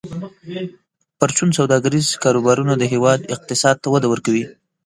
پرچون سوداګریز کاروبارونه د هیواد اقتصاد ته وده ورکوي.